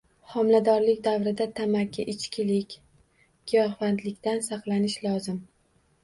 Homiladorlik davrida tamaki, ichkilik, giyohvandlikdan saqlanish lozim.